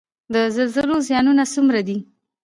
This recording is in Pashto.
د زلزلو زیانونه څومره دي؟